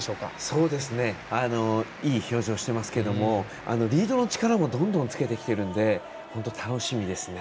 いい表情してますけどもリードの力もどんどんつけてきているので楽しみですね。